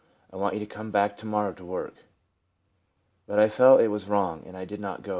I want you to come to morrow to work." But I felt it was wrong, and did not go.